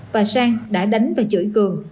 và sang đã đánh và chửi cường